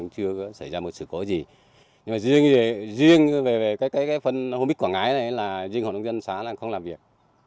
chưa xảy ra một sự cố gì nhưng mà riêng về cái phân humix quảng ngãi này là riêng hội nông dân xã đang không làm việc